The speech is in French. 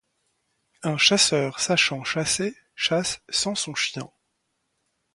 Un chasseur sachant chasser chasse sans son chien.